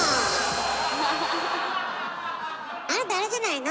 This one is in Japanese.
あなたあれじゃないの？